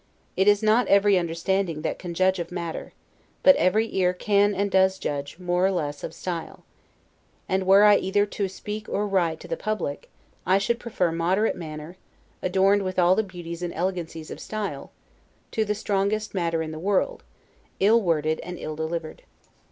It is not every understanding that can judge of matter; but every ear can and does judge, more or less, of style: and were I either to speak or write to the public, I should prefer moderate matter, adorned with all the beauties and elegancies of style, to the strongest matter in the world, ill worded and ill delivered.